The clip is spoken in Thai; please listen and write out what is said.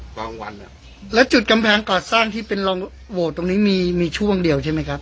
วันอ่ะแล้วจุดกำแพงก่อสร้างที่เป็นรองโหวตตรงนี้มีมีช่วงเดียวใช่ไหมครับ